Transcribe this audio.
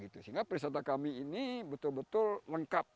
sehingga perwisata kami ini betul betul lengkap